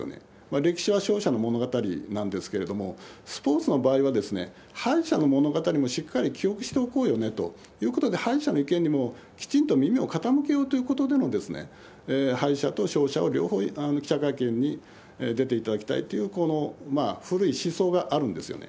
歴史は勝者の物語なんですけれども、スポーツの場合は、敗者の物語もしっかり記憶しておこうよねということで、敗者の意見にもきちんと耳を傾けようということでの敗者と勝者を両方、記者会見に出ていただきたいという、この古い思想があるんですよね。